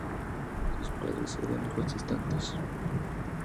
Sus padres eran protestantes.